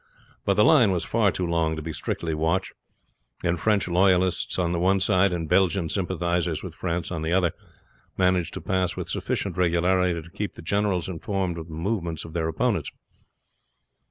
But the line was far too long to be strictly watched, and French loyalists on the one side and Belgian sympathizers with France on the other, managed to pass with sufficient regularity to keep the generals informed of the movements of their opponents.